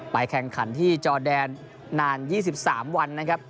แข่งขันที่จอแดนนาน๒๓วันนะครับ